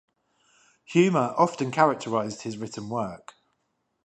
Humour often characterised his written work.